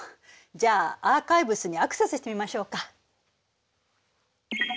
じゃあアーカイブスにアクセスしてみましょうか。